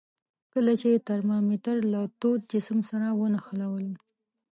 کله چې ترمامتر له تود جسم سره ونښلولو.